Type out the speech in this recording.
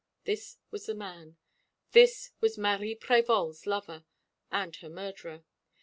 This was the man. This was Marie Prévol's lover, and her murderer.